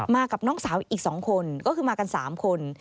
กับน้องสาวอีก๒คนก็คือมากัน๓คน